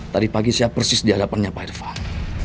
tadi pagi saya persis di hadapannya pak irfan